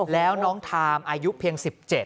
แล้วน้องทามอายุเพียง๑๗